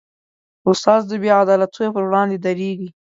استاد د بېعدالتیو پر وړاندې دریږي.